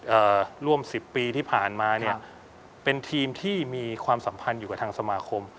เอ่อร่วมสิบปีที่ผ่านมาเนี่ยเป็นทีมที่มีความสัมพันธ์อยู่กับทางสมาคม